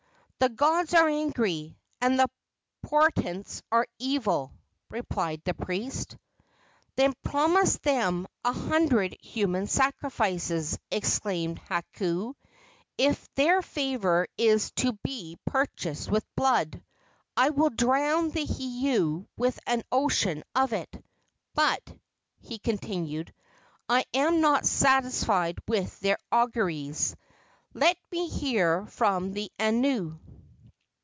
"The gods are angry, and the portents are evil," replied the priest. "Then promise them a hundred human sacrifices," exclaimed Hakau. "If their favor is to be purchased with blood, I will drown the heiau with an ocean of it. But," he continued, "I am not satisfied with these auguries. Let me hear from the anu."